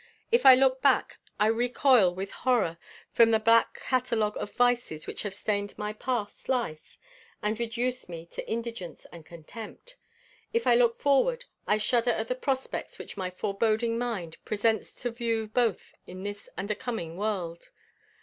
If I look back, I recoil with horror from the black catalogue of vices which have stained my past life, and reduced me to indigence and contempt. If I look forward, I shudder at the prospects which my foreboding mind presents to view both in this and a coming world.